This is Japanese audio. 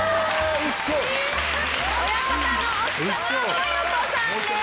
親方の奥様紗代子さんです。